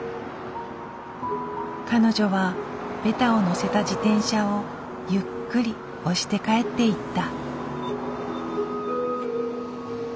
彼女はベタをのせた自転車をゆっくり押して帰っていった。